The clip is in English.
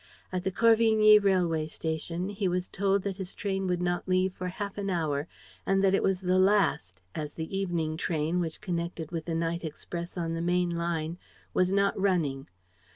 At the Corvigny railway station he was told that his train would not leave for half an hour and that it was the last, as the evening train, which connected with the night express on the main line, was not running.